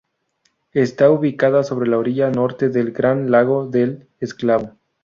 Está ubicada sobre la orilla norte el Gran Lago del Esclavo.